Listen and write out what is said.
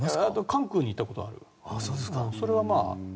韓国に行ったことはある。